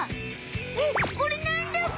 えっこれなんだむ？